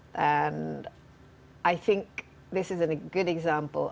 dan saya pikir ini adalah contoh yang bagus